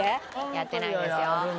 やってないですよ。